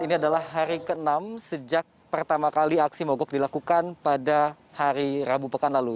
ini adalah hari ke enam sejak pertama kali aksi mogok dilakukan pada hari rabu pekan lalu